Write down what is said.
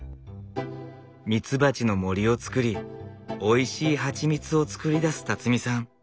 ミツバチの森をつくりおいしいハチミツを作り出すさん。